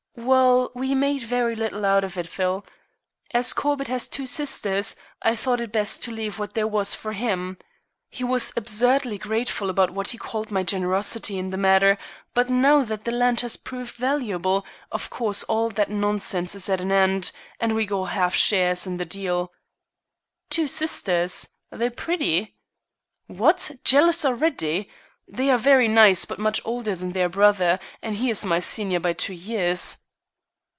"Well, we made very little out of it, Phil. As Corbett has two sisters, I thought it best to leave what there was for him. He was absurdly grateful about what he called my generosity in the matter, but now that the land has proved valuable, of course all that nonsense is at an end, and we go half shares in the deal." "Two sisters! They pretty?" "What! Jealous already! They are very nice, but much older than their brother, and he is my senior by two years."